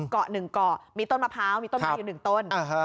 เกาะ๑เกาะมีต้นมะพร้าวมีต้นไม้อยู่๑ต้น